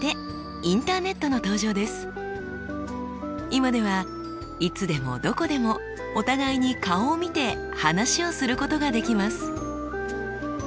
今ではいつでもどこでもお互いに顔を見て話をすることができます。